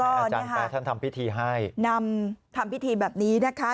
อาจารย์แปรท่านทำพิธีให้นำทำพิธีแบบนี้นะคะ